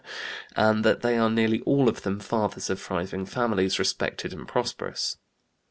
and that they are nearly all of them fathers of thriving families, respected and prosperous."